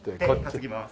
担ぎます。